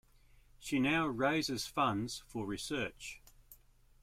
She now raises funds for research.